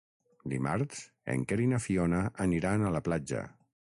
Dimarts en Quer i na Fiona aniran a la platja.